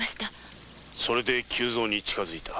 それで久造に近づいた？